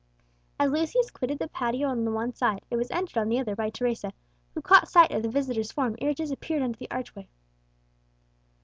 As Lucius quitted the patio on the one side, it was entered on the other by Teresa, who caught sight of the visitor's form ere it disappeared under the archway.